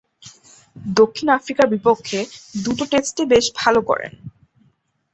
দক্ষিণ আফ্রিকার বিপক্ষে দুই টেস্টে বেশ ভালো করেন।